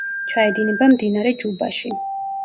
ჩაედინება მდინარე ჯუბაში.